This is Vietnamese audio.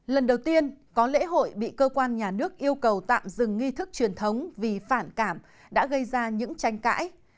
lần đầu tiên có lễ hội bị cơ quan nhà nước yêu cầu tạm dừng nghi thức truyền thống vì phản cảm đã gây ra những tranh cãi